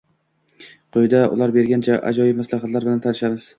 Quyida ular bergan ajoyib maslahatlar bilan tanishamiz.